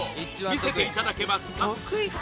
見せていただけますか？